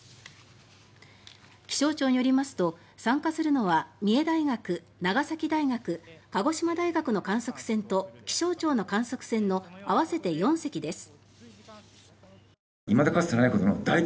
気象庁によりますと参加するのは三重大学、長崎大学鹿児島大学の観測船と気象庁の観測船の合わせて４隻です。